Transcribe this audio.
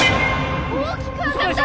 大きく上がった！